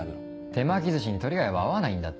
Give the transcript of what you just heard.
手巻き寿司にトリガイは合わないんだって。